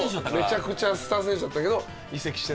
めちゃくちゃスター選手だったけど移籍してね。